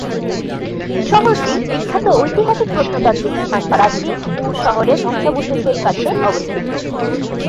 শহরটি বিখ্যাত ঐতিহাসিক প্রত্নতাত্ত্বিক স্থান প্রাচীন উর শহরের ধ্বংসাবশেষের কাছে অবস্থিত।